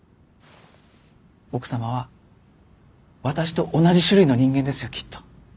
奥様は私と同じ種類の人間ですよきっと。